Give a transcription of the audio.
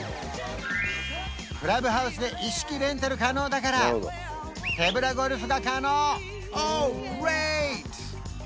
クラブハウスで一式レンタル可能だから手ぶらゴルフが可能オーグレート！